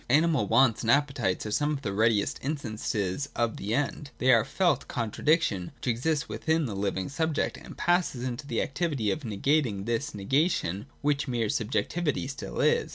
Animal wants and appetites are some of the readiest instances of the End. They are the felt contradiction, which exists within the living subject, and pass into the activity of negating this negation which mere subjec tivity still is.